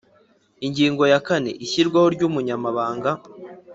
Ingingo ya kane Ishyirwaho ry’Umunyamabanga